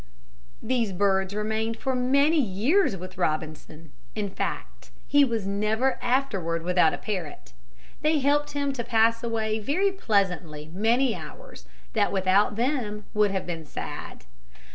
These birds remained for many years with Robinson. In fact, he was never afterward without a parrot. They helped him to pass away very pleasantly many hours that without them would have been sad.